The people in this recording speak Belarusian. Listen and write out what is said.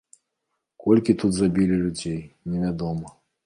Колькі тут забілі людзей, невядома.